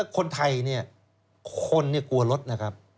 คนไทยเนี่ยคนกลัวรถนะครับ